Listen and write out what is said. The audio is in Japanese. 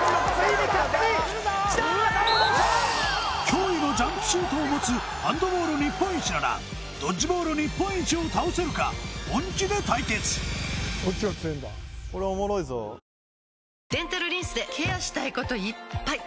驚異のジャンプシュートを持つハンドボール日本一ならドッジボール日本一を倒せるか本気で対決デンタルリンスでケアしたいこといっぱい！